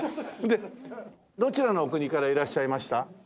どちらのお国からいらっしゃいました？